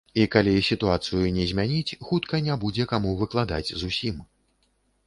І калі сітуацыю не змяніць, хутка не будзе каму выкладаць зусім.